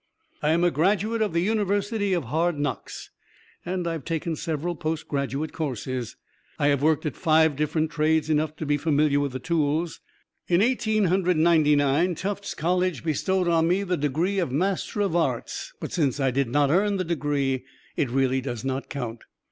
I am a graduate of the University of Hard Knocks, and I've taken several postgraduate courses. I have worked at five different trades enough to be familiar with the tools. In Eighteen Hundred Ninety nine, Tufts College bestowed on me the degree of Master of Arts; but since I did not earn the degree, it really does not count.